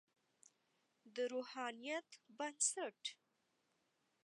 د روحانیت بنسټ.